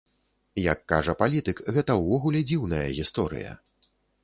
Як кажа палітык, гэта ўвогуле дзіўная гісторыя.